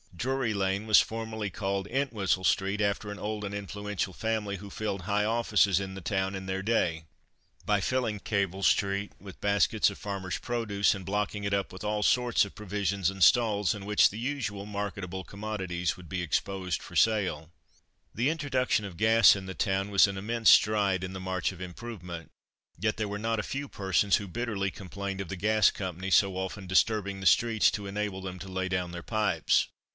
Drury lane was formerly called Entwhistle street, after an old and influential family who filled high offices in the town in their day. Any one can fancy what Castle street must have been when the market was held in it, by filling Cable street with baskets of farmers' produce, and blocking it up with all sorts of provisions and stalls, in which the usual marketable commodities would be exposed for sale. The introduction of Gas in the town was an immense stride in the march of improvement; yet there were not a few persons who bitterly complained of the Gas Company so often disturbing the streets to enable them to lay down their pipes.